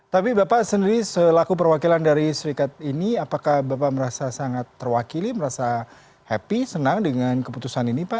tapi bapak sendiri selaku perwakilan dari serikat ini apakah bapak merasa sangat terwakili merasa happy senang dengan keputusan ini pak